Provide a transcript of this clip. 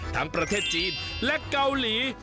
ประเทศจีนและเกาหลี